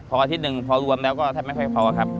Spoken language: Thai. พออาทิตย์หนึ่งพอรวมแล้วก็แทบไม่ค่อยพอครับ